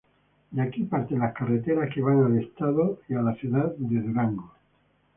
De aquí parten las carreteras que van al estado y ciudad de Durango.